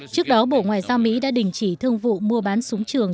trước đó bộ ngoại giao mỹ đã đình chỉ thương vụ mua bán súng trường